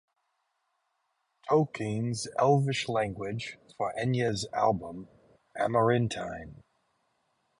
Tolkien's Elvish language, for Enya's album "Amarantine".